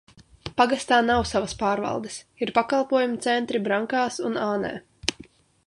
Pagastā nav savas pārvaldes, ir pakalpojumu centri Brankās un Ānē.